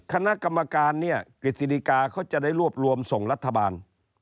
คณะกรรมการเนี่ยกฤษฎิกาเขาจะได้รวบรวมส่งรัฐบาล